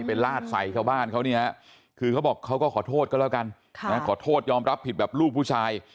ลาดใส่ชาวบ้านเขาเนี่ยคือเขาบอกเขาก็ขอโทษก็แล้วกันขอโทษยอมรับผิดแบบลูกผู้ชาย